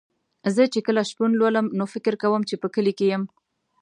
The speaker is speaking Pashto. زه چې کله شپون لولم نو فکر کوم چې په کلي کې یم.